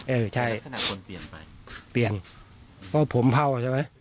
เออใช่กันเปลี่ยนเปลี่ยนเพราะผล่มเผ่าใช่ไหม